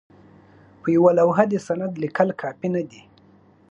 په یوه لوحه د سند لیکل کافي نه دي.